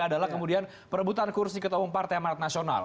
adalah kemudian perebutan kursi ketahuan partai amanat nasional